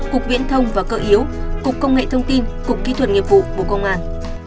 cục viễn thông và cơ yếu cục công nghệ thông tin cục kỹ thuật nghiệp vụ bộ công an